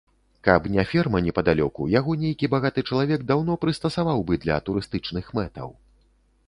Каб не ферма непадалёку, яго нейкі багаты чалавек даўно прыстасаваў бы для турыстычных мэтаў.